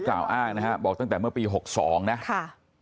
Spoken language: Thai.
กล่าวอ้างนะฮะบอกตั้งแต่เมื่อปีหกสองนะค่ะ